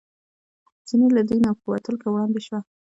چینی له دوی نه په وتلو کې وړاندې شو چورت یې خراب و.